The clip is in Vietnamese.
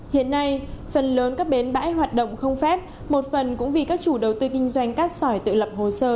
hiện nay phần lớn các bến bãi hoạt động không phép một phần cũng vì các chủ đầu tư kinh doanh cát sỏi tự lập hồ sơ